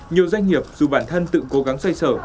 nhiều doanh nghiệp dù bản thân tự cố gắng xoay sở